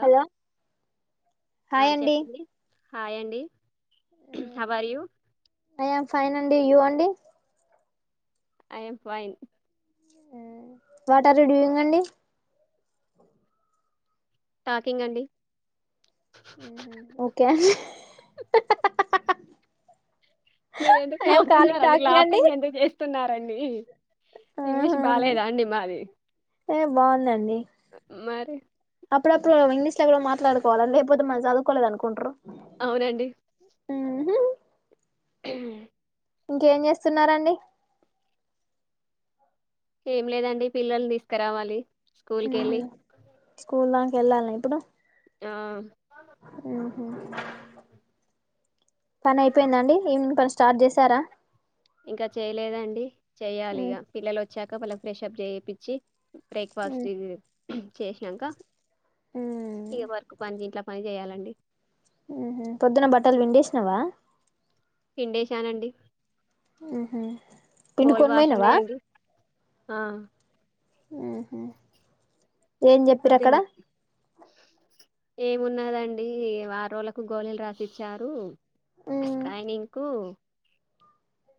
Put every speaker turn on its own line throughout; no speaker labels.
Hello hi అండి
హాయండి
I am fine అండి యూ అం డి
I am fine
hmm what are you doing అండి
టాకింగ్ అండి
హమ్మ్ ఓక
మీరు ఎందుకు నవ్వుతున్నారు అండి లాఫింగ్ ఎందుకు చేస్తున్నారు అండి ఇంగ్లీష్
ఆహా
బాలేదా అండి మాది
ఏ బాగుందండి
మరి
అప్పుడప్పుడు ఇంగ్లీష్లో కూడా మాట్లాడుకోవాలా లేకపోతే మనం చదువుకోలేదు అనుకుంటరు
అవునండి
హమ్ హహ
హమ్
ఇంకేం చేస్తున్నారండి
ఏం లేదండి పిల్లల్ తీస్కరావాలి స్కూల్ కెళ్ళి
స్కూల్ దాకెల్లాల ఇప్పుడు
ఆ
పని అయిపోయిందండి ఈవినింగ్ పని స్టార్ట్ చేసారా
ఇంకా చేయలేదండి చేయాలిగా పిల్లలు వచ్చాక పల ఫ్రెష్ అప్ చేయిపిచ్చి బ్రేక్ఫాస్ట్ ఇది చేసినాకా
ఉమ్
ఇది వర్క్ పని ఇంట్లా పని చేయాలి అండి
పొద్దున్న బట్టలు పిండేసినవా
పిండేశానండి
ఆహ
బోల్ వాష ఉన్నాయా అండి ఆ
ఉహూ ఏం చెప్పిరక్కడ
ఏమున్నాదండి ఆరు రోల్లకు గోళీలు రాసిచ్చారు కాయనింకు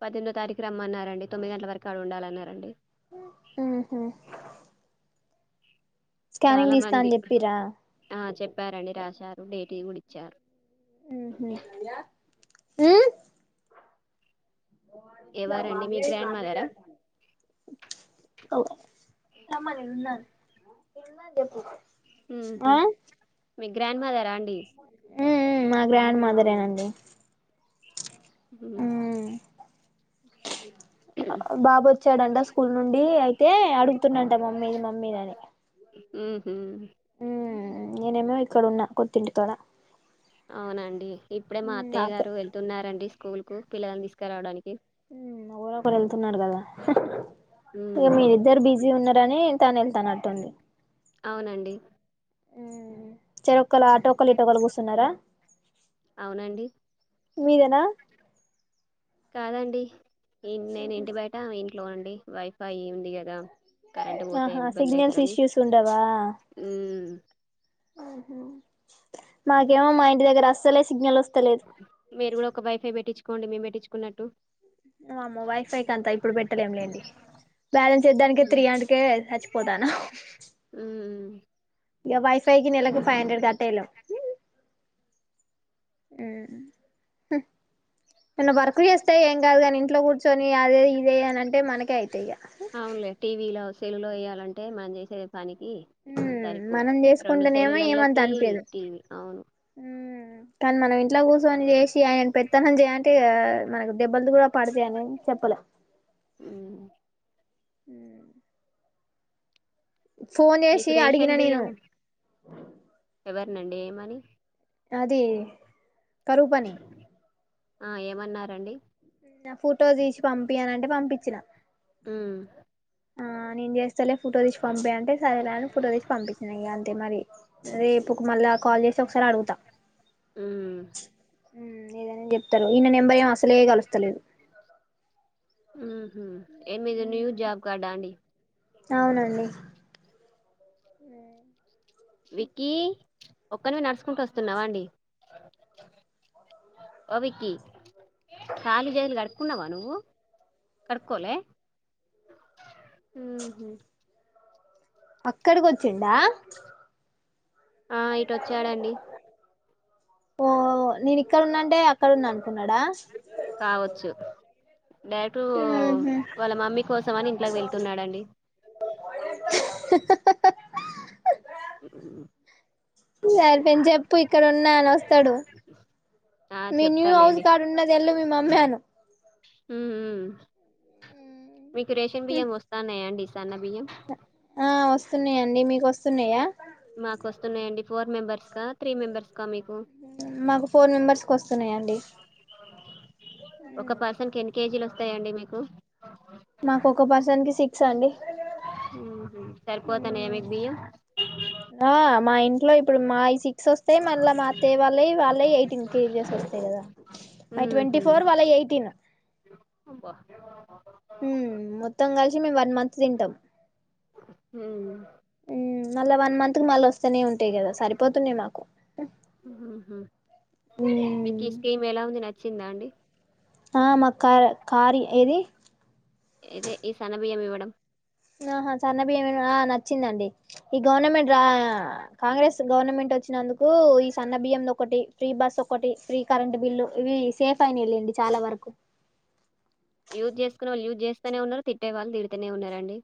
పద్దెమిదో తారీఖు రమ్మన్నారండి తొమ్మిది గంటల వరకు ఆడ ఉండాలన్నారండి
ఆ హ హా స్కానింగ్
చాలా
తీస్తా
మంది
అని చెప్పిరా
ఆ చెప్పారండి రాశారు డేటింగ్ ఇచ్చారు
ఉ
ఎవరండి మీ గ్రాండ్ మదరా
ఓ రమాన్ ఇన్నా ఇన్నా చెప్పు
ఉహ్ హు
ఆ ఉ
మీ గ్రాండ్ మదరా అండి
ఉమ్ ఉమ్ మా గ్రాండ్ మాదరేనండి
హుమ్
బాబు వచ్చాడంట స్కూల్ నుండి అయి ఏయ్ అడుగుతున్నంట మా అమ్మేది మా అమ్మేదని
ఊహూ
నేనేమో ఇక్కడ ఉన్నా కొత్తఇంటి కాడ
అవునండి ఇప్పుడే మా అత్తయ్య
నాకే
గారు వెళ్తున్నారండి స్కూల్ కు పిల్లని తీసుకురా రావడానికి
ఉమ్ ఎవలో ఒకళు వెళ్తున్నారు కదా
ఉ
ఏ మీ ఇద్దరు బిజీ ఉన్నరని వెళ్తాను వెళ్తానటుంది
అవునండి
చెరొక్కల అటోక్కలు ఇటోకలు కూర్చున్నారా
అవునండి
మీదనా
కాదండి ఇ నేను ఇంటి బయట ఇ ఇంట్లోనండి వైఫై ఏంది కదా కరెంట్ పోతే
ఆహా సిగ్నల్స్
ఇబందయితదని
ఇష్యూస్
ఉ
ఆహ మ క ఏమో మా ఇంటి దగ్గర అస్సలే సిగ్నల్ వస్తలేదు
కోండి మేము పెట్టించుకున్నట్టు
అమ్మ వైఫై క అంతా ఇప్పుడు పెట్టలేం లేండి బ్యాలెన్స్ చేద్దానినికి త్రీ
మ్మ్.
హండడ్కే చచ్చిపోతానా
మ్మ్.
ఇక వైఫై కి నెలకు ఫైవ్ హండ్రెడ్ కట్టేలాన్న వర్క్ చేస్తే ఏం కాదు కాని ఇంట్లో కూర్చ కొన్ని అదే ఇదే అని అంటే మనకే అయితే ఇగ
చెలు వయాలంటే మనం చేసే పనికి సరిపోవ్
మనం
రెండు
చేసుకుంటేనేమో ఏమంత
సెలుల్లాలకి
అనిపియదు
టీవి అవును
కానీ మనం ఇంట్లో కూర్చొని చేసి ఆయన పెత్తనం చేయంటే మనకు దెబ్బలతో కూడా పడతా అనిని చెప్పలే
ఉ
ఆమ్ పోన్
మీకు
చేసి అడిగిన
రేషన్
నేను
బియ్యం ఎవరినండి ఏమని
అది కరూపని
ఆ ఏమన్నారండి
నాఫోటో తీసి పంపియాలంటే పంపించిన
మ్మ్.
ఆ నేను చేస్తా సలే ఫోటో తెచ్చి పంప అంటే సరేలే అని ఫోటో తెచ్చి పంపించిన అంతే మరి రేపు మళ్ళా కాల్ చేసి ఒకసారి అడుగుతా
మ్మ్.
లేదని చెప్తారు ఈయన నెంబర్ ఏం అసలే కలుస్తలేదు
ఉహ ఏమిది న్యూజ జాబ్ కార్డ్ అండి
అవునండి
విక్కీ ఒక్కరివి నడుచకుంటూ వస్తున్నావా అండి ఓ విక్కీ ఖాళీ చేగలు కడుక్కున్నావా నువ్వు కడుక్కోలే
అక్కడికిచ్చిడా
ఆ ఇట్టోచారండి
ఓ నేను ఇక్కడ ఉన్నాంటే అక్కడుంద అనుకున్నాడా
డైటు వాళ్ళ మమ్మీ కోసం అని ఇంట్లోకి వెళ్తున్నాడండి అ
ఈ అయిపొయింది చెప్పు ఇక్కడ ఉ నాయన
ఆ
వస్తాడువస్తాడు నిన్నుహౌస్
చెప్తాలేండి
కార్డ్ ఉన్నది వెల్ళ మీ మమ్మ అను
హ మీకు రేషన్ బియ్యం వస్తున్నాయా అండి స
ఆ వ వస్తున్నాయాండి మీకు వస్తున్నాయా
స్తున్నాయండి ఫోర్ మెంబర్ గా త్రీ మెంబర్స్ కా మీకు
మాకు ఫోర్ మెంబర్స్ క వస్తంది
ఒక పర్సన్ కి ఎన్ని కేజీలు వస్తాయంండి మీకు
మాకు ఒక పర్సన్ కి సిక్స్ అండి
సరిపోతున్నాయా మీకు బియ్యం
ఆ మా ఇ ఇంట్లో ఇప్పుడు మాయి సిక్స్ వస్తాయి మళ్ళా మా అత్తయ్య వాళ్ళ వాళ్ళ ఎయిటీన్ కేజెస్ వస్తాయి కదా మా ట్వంటీ
ఊహు
ఫోర్ వాళ్ళ ఎయిటీన్
అబ్బా
మొత్తం కలిసి మేము వన్ మంత్ తింటాం
ఊ
మళ్ళా వన్ మంత్ కి మళ్ళా వస్తూనే ఉంట తే కదా సరిపోతున్నాయి మాకు
మీకిస్తేమేలా ఉంది నా వచ్చిందా అండి
ఆ మా కార్ కార్ ఏది
ఇదే ఈ సనబియ్యం ఇవ్వడం
ఆహా సన్న బియ్యం ఆ నచ్చిందండి ఈ గవర్నమెంట్ కాంగ్రెస్ గవర్నమెంట్ వచ్చినందుకు ఈ సన్న బియ్యం ఒకటి ఫ్రీ బస్ ఒకటి ఫ్రీ కరెంట్ బిల్లు ఇవి సేఫ్ అయ్యినీయండి చాలా వరకు
యూజ్ చేసుకునే వాళ్చే యూజ్ చేస్తానే ఉన్నారు తిట్టే వాళ్ళుిడితేనే ఉన్నారండి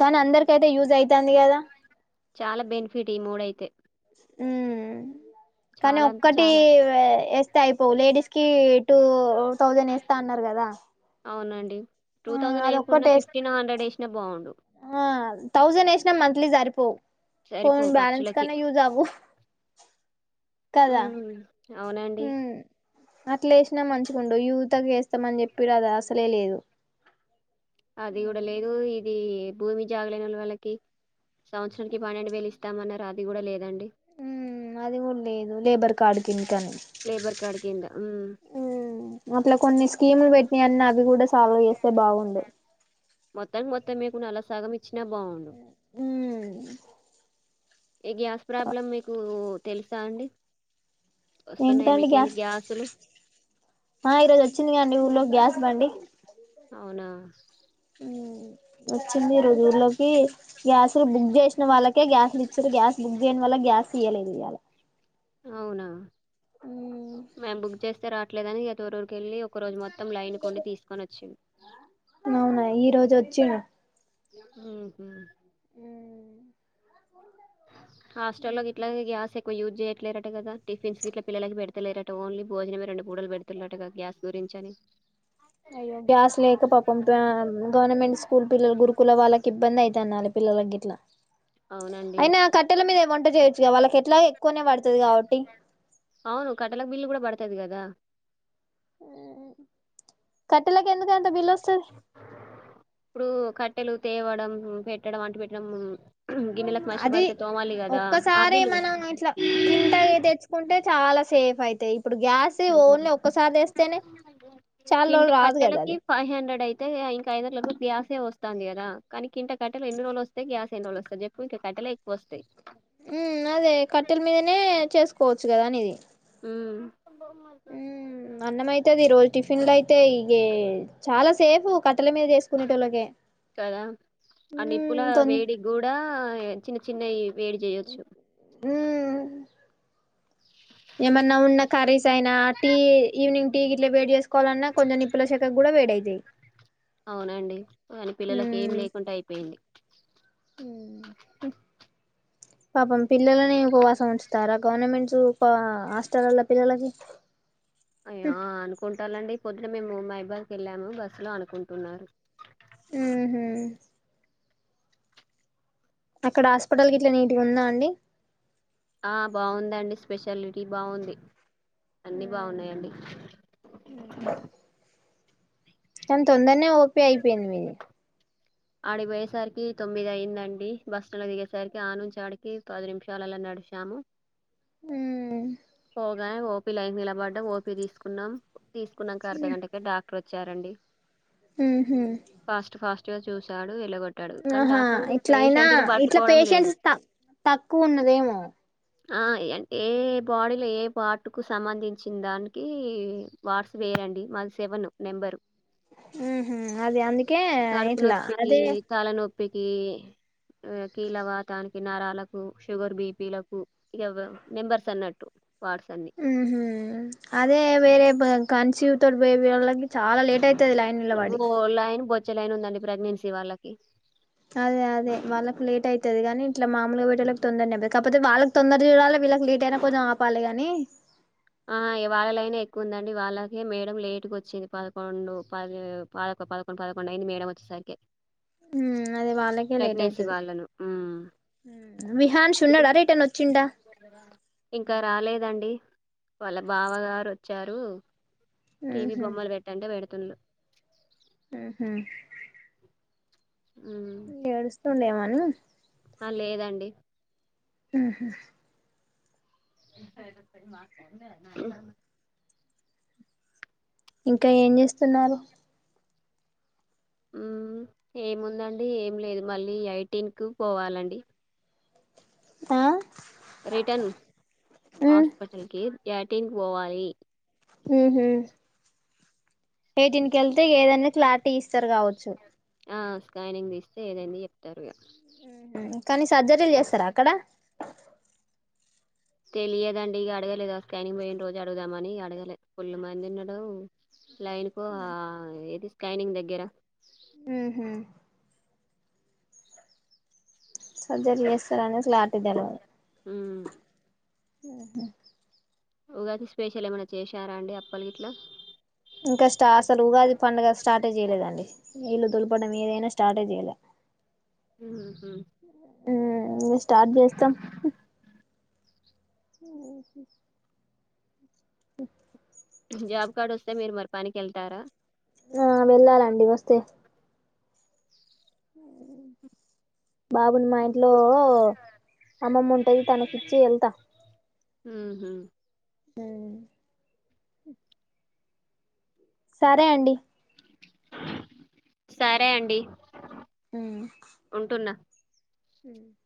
కానీ అందరికైతే యూస్ అయితాంది కదా
చాలా బెనిఫిట్ ఈ మూడయితే
ఉ కానీ
చాలా అంటే
ఒక్కటి
చాలా.
వేస్తే అయిపోవు లేడీస్ కి టూ తౌసండ్ వేస్తా అన్నారు కదా
టూ
ఆ
థౌజండ్ వయకుండా
అదొక్కటి వేస్
ఫిఫ్టీన్ హండ్రెడ్ యేషిన బాగుండు
ఆ తౌసండ్ వేసిన మంత్లీలీ సరిపోవు ఫోన్
సరిపోవు
బాలన్స్
ఖర్చులకి.
కన్నా యూస్ అవ్వవు కదా
హ్మ్. అవునండి
అట్లే వేసినా మంచికుండడు యుతక వేస్తామని చెప్పిడు అది అసలే లేదు
అది కూడా లేదు ఇది లేదు భూమి జాగలేన వా వాళ్ళకి సంవత్సరానికి పన్నేండుడ వేలు ఇస్త ఇస్తామన్నరూ ఆది కూడా లేదండి
ఉ అది కూడా లేదు లేబర్ కార్డు కింది కానీ
లేబర్ కార్డ్ కింద. హ్మ్.
అట్లా కొన్ని స్కీములు పెట్టినాయ అన్న అవి కూడా సాల్వ్ చేస్తాయి లే బాగుండు
అయితే మీకు ల సగం వచ్చినా బాగుండు ఏ గ్యాస్ ప్రాబ్లం మీకు తెలుసా అండి వస్తున్నాయా
ఏంటిదండి ఇగ
మీకెళ్ళి గ్యాసులు?
ఆ ఈరోజు వచ్చిందిగా అండి ఊర్లో గ్యాస్ బండి
అవునా
వచ్చింది రోజు ఊర్లోకి గ్యాస్లు బుక్ చేసిన వాళ్ళకే గ్యాస్లు ఇచ్చారు గ్యాస్ బుక్ చేయని వాళ్ల గ్యాస్ తీయలేదు ఇయాల
అవునా మేము బుక్ చేస్త రాట్లేదని ఎతరురరుకి వెళ్ళ ఒకరోజు మొం
అవునా ఈ రోజు వచ్చిన
ఉహ
వచ్చిండు
హాస్టెల్లో గిట్లాగే గ్యాస్ యూజ్ చేయట్లేరట కదా టిఫన్స్ ఈగ్ ట్ల పిల్లలకి పెడి లేటటు ఓన్లీ భోజనమే రెండు కూడలు పెడుతున్నటుగా గ్యాస్ గురించి అని
అయ్యో గ్యాస్ లేక పాపం గవర్నమెంట్ స్కూల్ పిల్లల గురుకుల వాళ్ళకి ఇబ్బంది అయితుంది తెన్నాలి పిల్లలగిట్లా
అవునండి
అయినా కట్టెల మీద వంట చేయొచ్చుగా వాళ్ళకి ఎట్లా ఎక్కువనే పడుతది కాబట్టి
అవును కట్టెలకు బిల్లు కూడా పడతది కదా
ఉహ్ హు కట్టెలకి ఎందుకు ఎంత బిల్ వస్తుంది
ఇప్పుడు కట్టెలు తేవడం పెట్టడం అంటూ పెట్టడం గిన్నెలకు మసి
అది
పడితే తోమాలి కదా ఆ
ఒక్కసారి
బిల్లు కూడా.
మనం ఇట్లా కింట తెచ్చుకుంటే చాలా సేఫ్ ఫైతేయి చాలా
కింట
రోజులు రాదు కదా
కట్టెలకి
అది
ఫైవ్ హండ్రెడ్ అయితు అయి ఇంకాఐదుందుల గ్యాసే వస్తుంది కదా కానికి ఇకా కట్టె ఎన్ని రోజులు వస్తే గ్యా ఎన్ని రోజు వస్తాంది చెప్పు ఇంక కట్టెలే ఎక్కువ వస్తాయి
ఉ అదే కట్టెల మీదనే చేసుకోవచ్చు కదా అని ఇది
ఉమ్
ఉ అన్నమైతది రోల్ టిఫిన్ లో అయితే ఇగా చాలా సేఫ్ కట్టెల మీద చేసుకునేటోళ్ళకే
కదా అ నిప్పుల
ఉమ్ తొన్
వేడి కూడా చిన్న చిన్నవి వేడి చేయొచ్చు
ఉమ్ ఏమన్నా ఉన్నా కర్రీస్ అయినా టీ ఈవినింగ్ టీ గిట్ల వేడి చేసుకో కోవాలన్నా కొంచెం నిప్పుల శాఖకు కూడా వేడైతాయి
అవునండి కానీ పిల్లలకి ఏం
ఉమ్
లేకుండా అయిపోయింది
ఉమ్ పాపం పిల్లలని ఉపవాసం ఉంచుతారా గవర్నమెంట్స్ హాస్టల్ల్లో పిల్లలకి
అయ్యా అనుకుంటాలండి పొద్దు ఇక్కడ మేము మైబాద్కి వెళ్ళాము బస్సు లో అనుకుంటున్నారు
ఉమ్ అక్కడ హాస్పిటల్ గిట్లా నీటిగా ఉందా అండి
ఆ బాగుందండి స్పెషాలిటీ బాగుంది అన్ని
మ్మ్
బాగున్నాయండి
కానీ తొందరనే ఓపె అయిపోయింది మీది
ఆడిపోయేసరికి తొమ్మిది అయిందండి బస్ స్టాండ్కి దిగేసరికి ఆ నుంచి ఆడికి పది నిమిషాలల్లో నడిచాము
ఉమ్ హు
గానే ఓపి లైన్లో నిలబడ్డాం ఓపి తీసుకున్నాం తీసుకున్నాక అర్ధగంటకి డాక్టర్ వచ్చారండి
ఉహూ
గా చూసాడు ఎలగొట్టాడు. కానీ
ఆహా
డాక్టరు
ఇట్లా అయినా
పేషెంట్‌ని
ఇట్లా
పట్టుకోవడం లేదు.
పేషెన్స్ త తక్కువ ఉన్నదేమో
ఆ అంటే ఏ ఏ బాడీలో ఏ పార్ట్కు సంబంధించిన దానికి వాట్స్ వేయండి మాది సెవన్ నెంబరు
ఉహు అదే అందుకే ఇట్లా అదే
నోప్పికి కీల్లవాతానికి నరాలకు షుగర్ బిపీలకు ఇ మెంబర్స్ అన్నట్టు వార్డ్స్ అన్నీ.
ఉహూ అదే వేరే కాన్సివ్ తోటి బేబీ వాళ్ళకి చాలా లేట్ అయి తది లైన్ నిలవాడి
చ్చలైైన ఉందండి ప్రెగ్నెన్సీ వాళ్ళకి
అదే అదే వాళ్ళకి లేట్ అయితది గాని ఇట్లా మాములుగా పోయే వాళ్ళకి తొందర అవ్వదు కాకపోతే వాళ్ళకి తొందర చూడాలి వీళ్ళకి లేట్ అయినా కొంచెం ఆపాలి గాని
ఆ వాళ్ళలైనే ఎక్కువ ఉందండి వాళ్ళకే మేడం లేటుగా వచ్చింది పదకొండు పదిదొ పదకొండు పదకొండు అయింది మేడం వచ్చేసరికి
ఉమ్ అదే వాళ్ళకే లేట్
ప్రెగ్నెన్సీ
అయితది
వాళ్ళను ఉమ్
విహాన్ష్ ఉన్నాడా రిటర్న్ వచ్చిండా
ఇంకా రాలేదండి వాళ్ళ బావ గారు వచ్చారు టీవీ
ఉహు
బొమ్మలు పెట్టంటే పెడతలే తల్ల
అహ
అ
ఉండేవాను
ఆ లేదండి
ఆహ
ఉమ్
ఇంకా ఏం చేస్తున్నారు
ఉమ్ ఏముందండి ఏం లేదు మళ్ళీ ఐటీన్కు పోవాలండి
ఆ
రిటర్న్
ఉ
హాస్పిటల్ కి యాతనికి పోవాలి
ఉహు హు ఎయిటన్ కి వెళ్తే ఏదనా క్లారిటీ ఇస్తారు కావచ్చు
ఆ స్కానింగ్ తీస్తే ఏదైంది చెప్తాారు
కానీ సర్జరీలు చేస్తారా అక్కడ
తెలియదండి ఇక అడగలేదుా స్కానింగ్ పోయిన రోజు అడుగుామని అడగలేదు ఫుళ మంది ఉండడు లైనకో ఏది స్కైనింగ్ దగ్గర
ఉహు సర్జరీ చేస్తారనే క్లారిటీ తెల్వదు
మ్మ్
ఆ
ఉగాకి స్పెషల్ ఏమైన్నా చేశారా అండి అప్పలి గిట్ల
ఇంకా స్ట అసలు ఉగాది పండుగ స్టార్టే చేయలేదండి ఇల్లు దులుపడం ఏదైనా స్టార్టే చేయలే
ఉహ్ హు
ఉమ్ హ్ స్టార్ట్ చేస్తాం అ అఓ
జాబ్ కార్డు వస్తే మీరు మరి పనికినికి వెళ్తారా
ఆ వెళ్ళాలండి వస్తే బాబుని మా ఇంట్లో అమ్మమ ఉంటది తనకిచ్చి ఏళ్తా
హ హ
ఉమ్ సరే అండి
సరే అండి
హ
ఉంటున్నా
హ